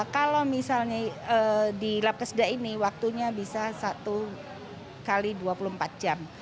kalau misalnya di lab kesedah ini waktunya bisa satu x dua puluh empat jam